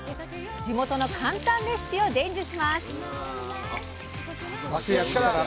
地元の簡単レシピを伝授します。